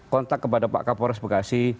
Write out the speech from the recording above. kontak kepada pak kapolres bekasi